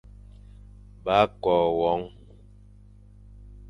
Ba kôa won.